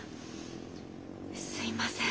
すいません。